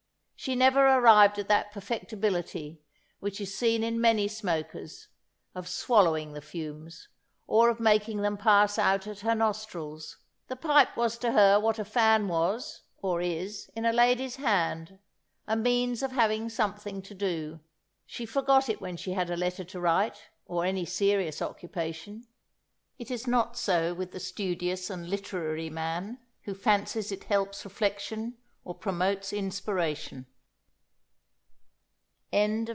She never arrived at that perfectibility, which is seen in many smokers, of swallowing the fumes, or of making them pass out at her nostrils. The pipe was to her what a fan was, or is, in a lady's hand a means of having something to do. She forgot it when she had a letter to write, or any serious occupation. It is not so with the studious and literary man, who fancies it helps reflection or promotes inspiration."